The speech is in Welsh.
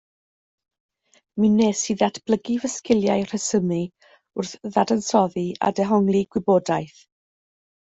Mi wnes i ddatblygu fy sgiliau rhesymu wrth ddadansoddi a dehongli gwybodaeth